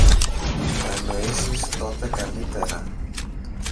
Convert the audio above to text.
θα εννοήσεις τότε καλύτερα.